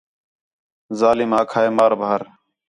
ظالم آکھا ہے مار بھار